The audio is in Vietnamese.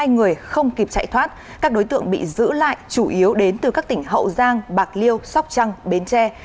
một mươi người không kịp chạy thoát các đối tượng bị giữ lại chủ yếu đến từ các tỉnh hậu giang bạc liêu sóc trăng bến tre